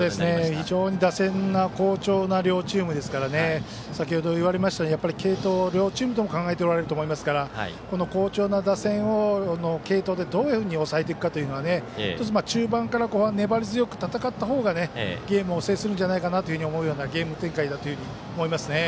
非常に打線が好調な両チームですから先ほど言われましたように継投を両チームとも考えておられると思いますからこの好調な打線を継投でどういうふうに抑えていくかというのは中盤から後半粘り強く戦ったほうがゲームを制するんじゃないかなと思うようなゲーム展開だというふうに思いますね。